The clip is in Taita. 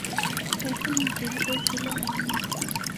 Uhu mngulu ongilwa ni mndu.